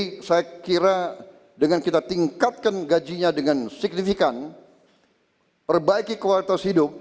jadi saya kira dengan kita tingkatkan gajinya dengan signifikan perbaiki kualitas hidup